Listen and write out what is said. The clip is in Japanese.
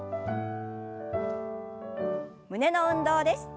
胸の運動です。